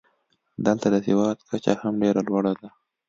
دلته د سواد کچه هم ډېره لوړه ده.